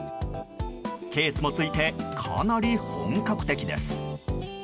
ケースもついてかなり本格的です。